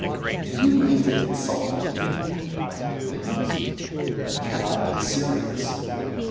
"Do you mean to insult me?" "By no means." "You cannot be serious."